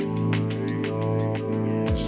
ช่วงที่จะเรียก